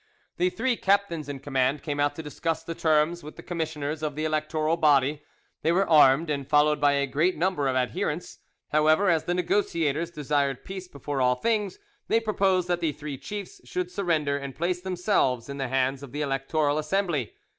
The three "captains in command" came out to discuss the terms with the commissioners of the electoral body; they were armed and followed by a great number of adherents. However, as the negotiators desired peace before all things, they proposed that the three chiefs should surrender and place themselves in the hands of the Electoral Assembly.